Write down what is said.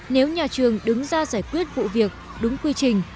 nếu nhà trường đứng ra giải quyết vụ việc đúng quy trình